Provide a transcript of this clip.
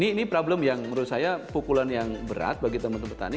ini problem yang menurut saya pukulan yang berat bagi teman teman petani